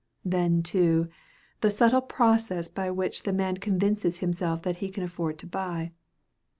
Then, too, the subtle process by which the man convinces himself that he can afford to buy.